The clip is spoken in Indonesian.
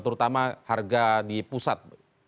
terutama harga di pusat